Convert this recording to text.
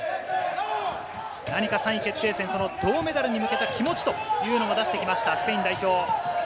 何か３位決定戦、銅メダルに向けた気持ちというのを出してきました、スペイン代表。